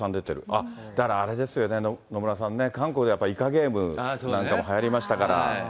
あっ、だからあれですよね、野村さんね、韓国でやっぱりイカゲームなんかもはやりましたから。